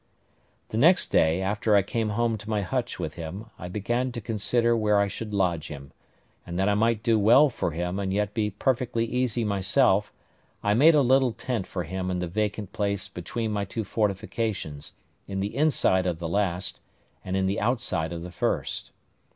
The next day, after I came home to my hutch with him, I began to consider where I should lodge him: and that I might do well for him and yet be perfectly easy myself, I made a little tent for him in the vacant place between my two fortifications, in the inside of the last, and in the outside of the first.